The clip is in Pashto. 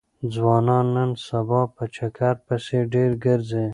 ځوانان نن سبا په چکر پسې ډېر ګرځي.